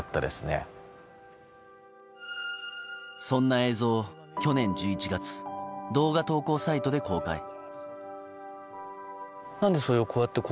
そんな映像を去年１１月動画投稿サイトで公開。